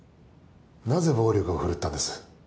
・なぜ暴力を振るったんです？